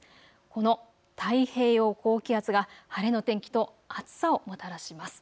この太平洋高気圧が晴れの天気と暑さをもたらします。